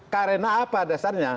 karena apa dasarnya